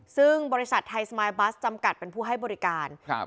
ซึ่งบริษัทไทยสมายบัสจำกัดเป็นผู้ให้บริการครับ